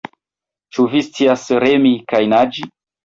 Ĉu vi scias remi kaj naĝi?